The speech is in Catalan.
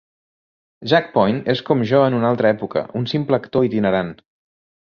Jack Point és com jo en una altra època, un simple actor itinerant.